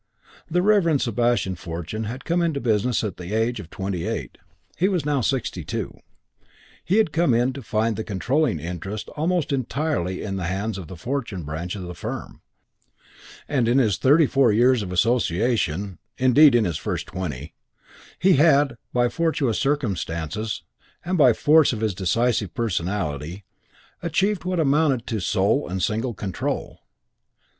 The Reverend Sebastian Fortune had come into the business at the age of twenty eight. He was now sixty two. He had come in to find the controlling interest almost entirely in the hands of the Fortune branch of the firm, and in his thirty four years of association, indeed in the first twenty, he had, by fortuitous circumstances, and by force of his decisive personality, achieved what amounted to sole and single control.